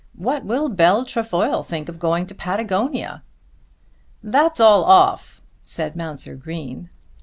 "What will Bell Trefoil think of going to Patagonia?" "That's all off," said Mounser Green.